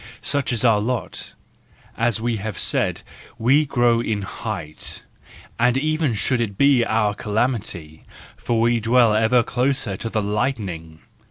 ... Such is our lot, as we have said : we grow in height; and even should it be our calamity—for we dwell ever closer to the lightning!